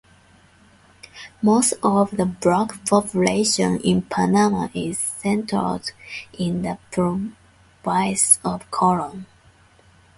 Most of the black population in Panama is centered in the Province of Colon.